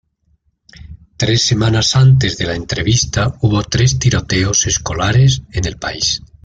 Tres semanas antes de la entrevista hubo tres tiroteos escolares en el país.